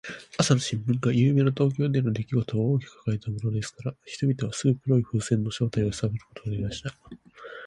朝の新聞が、ゆうべの東京でのできごとを大きく書きたてていたものですから、人々はすぐ黒い風船の正体をさとることができたのです。